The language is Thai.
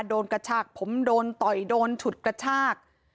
กระชากผมโดนต่อยโดนฉุดกระชาก